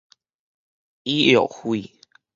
醫藥費